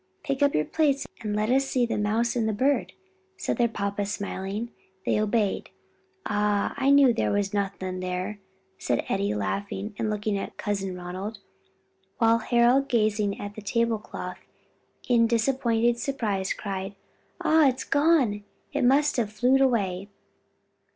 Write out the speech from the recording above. "Pick up your plates and let us see the mouse and the bird," said their papa, smiling. They obeyed. "Ah, I knew there was nothing there," said Eddie, laughing and looking at Cousin Ronald, while Harold gazing at the table cloth in disappointed surprise, cried, "Ah it's gone! it must have flewed away."